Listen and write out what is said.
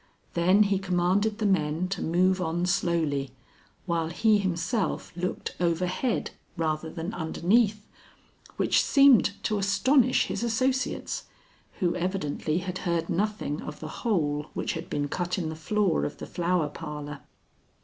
Then he commanded the men to move on slowly, while he himself looked overhead rather than underneath, which seemed to astonish his associates, who evidently had heard nothing of the hole which had been cut in the floor of the Flower Parlor.